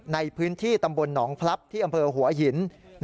ในพื้นที่ตำบลหนองพลับที่อำเภอหัวหิน